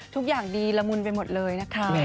ทุกอย่างดีละมุนไปหมดเลยนะคะ